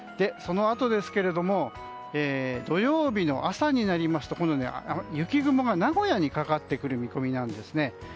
そのあとですが土曜日の朝になりますと雪雲が名古屋にかかってくる見込みなんですね。